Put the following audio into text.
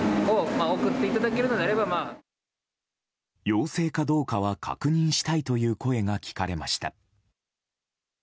陽性かどうかは確認したいという声が聞かれました。